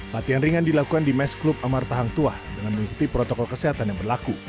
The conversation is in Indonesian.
latihan ringan dilakukan di mes klub amar tahangtua dengan mengikuti protokol kesehatan yang berlaku